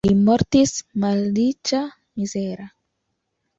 Li mortis malriĉa, mizera.